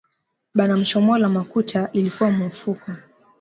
Bana muchomola makuta ilikuwa muufuko